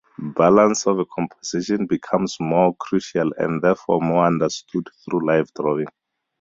Balance of a composition becomes more crucial and therefore more understood through life drawing.